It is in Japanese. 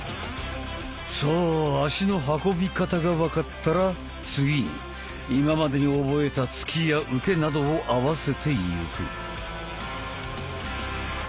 さあ足の運び方が分かったら次に今までに覚えた「突き」や「受け」などを合わせてゆく。